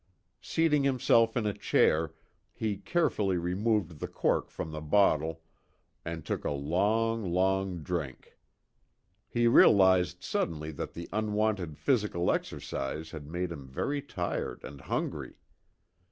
Seating himself in a chair, he carefully removed the cork from the bottle and took a long, long drink. He realized suddenly that the unwonted physical exercise had made him very tired and hungry.